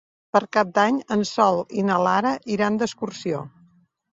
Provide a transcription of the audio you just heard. Per Cap d'Any en Sol i na Lara iran d'excursió.